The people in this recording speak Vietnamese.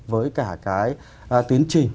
với cả cái tiến trình